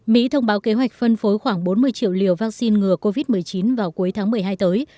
mỹ thông báo kế hoạch phân phối khoảng bốn mươi triệu liều vaccine ngừa covid một mươi chín vào cuối tháng một mươi hai tới